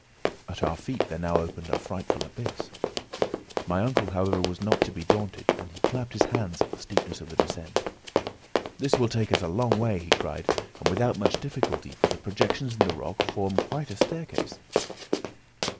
At our feet there now opened a frightful abyss. My uncle, however, was not to be daunted, and he clapped his hands at the steepness of the descent. "This will take us a long way," he cried, "and without much difficulty; for the projections in the rock form quite a staircase."